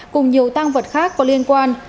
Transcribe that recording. cùng nhiều tăng vật khác có liên quan